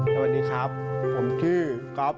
สวัสดีครับผมชื่อก๊อฟ